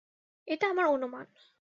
এটা আমার অনুমান।